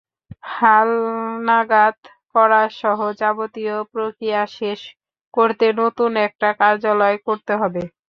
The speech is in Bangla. হালনাগাদ করাসহ যাবতীয় প্রক্রিয়া শেষ করতে নতুন একটা কার্যালয় করতে হবে।